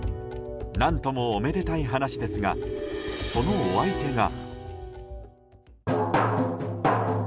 何とも、おめでたい話ですがそのお相手が。